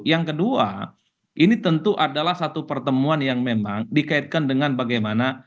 yang kedua ini tentu adalah satu pertemuan yang memang dikaitkan dengan bagaimana